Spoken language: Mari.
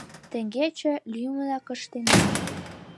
Теҥгече лӱмынак ыштенам.